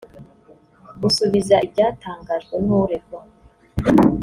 Busubiza ibyatangajwe n’uregwa